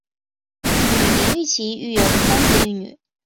与林堉琪育有三子一女。